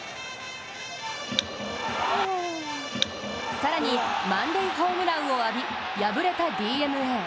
更に満塁ホームランを浴び、敗れたＤｅＮＡ。